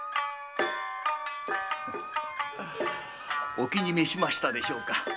お気にめしましたでしょうか？